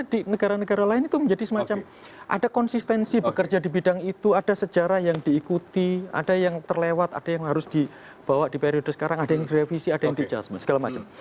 jadi negara negara lain itu menjadi semacam ada konsistensi bekerja di bidang itu ada sejarah yang diikuti ada yang terlewat ada yang harus dibawa di periode sekarang ada yang direvisi ada yang di justice segala macam